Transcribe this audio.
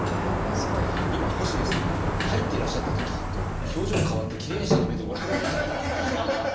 今星野さん入っていらっしゃった時と表情変わって経営者の目でご覧になっていて。